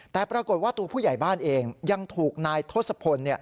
แต่ปรากฏว่าตัวผู้ใหญ่บ้านเองยังถูกนายทศพล